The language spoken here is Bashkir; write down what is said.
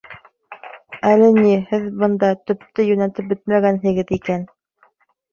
Әле ни, һеҙ бында төптө йүнәтеп бөтмәгәнһегеҙ икән.